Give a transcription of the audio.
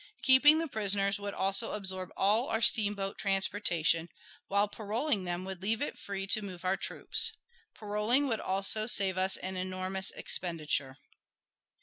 Keeping the prisoners would also absorb all our steamboat transportation, while paroling them would leave it free to move our troops. Paroling would also save us an enormous expenditure.